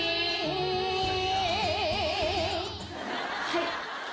はい。